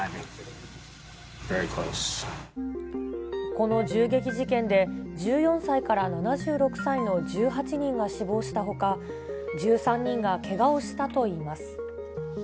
この銃撃事件で、１４歳から７６歳の１８人が死亡したほか、１３人がけがをしたといいます。